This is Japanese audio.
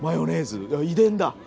遺伝だ。